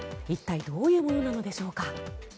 一体どういうものなのでしょうか。